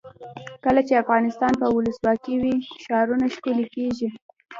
کله چې افغانستان کې ولسواکي وي ښارونه ښکلي کیږي.